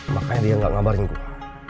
makanya dia gak ngabarin gue